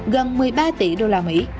gần một mươi ba tỷ usd